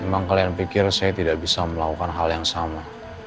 memang kalian pikir saya tidak bisa melakukan hal yang sama